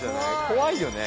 怖いよね。